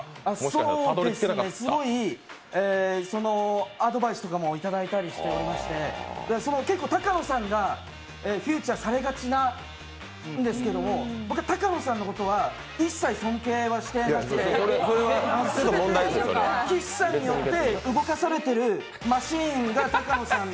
そうですね、すごいアドバイスとかもいただいたりしてて、結構たかのさんがフューチャーされがちなんですけど、僕はたかのさんのことは一切、尊敬はしてなくて全て岸さんによって、動かされているマシーンがたかのさん。